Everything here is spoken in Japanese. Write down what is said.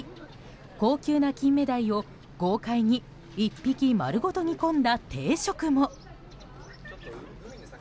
高級なキンメダイを豪快に１匹丸ごと煮込んだ定食も。